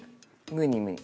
ムニムニ。